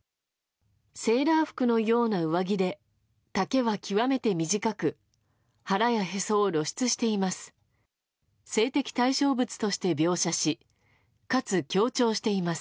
セーラー服のような上着で丈は極めて短く腹やへそを露出しています。